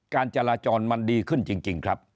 การจราจรมันดีขึ้นจริงครับ